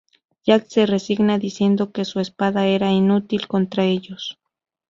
Jack se resigna diciendo que su espada era inútil contra ellos.